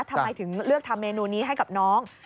ทำไมถึงเลือกทำเมนูนี้ให้กับน้อง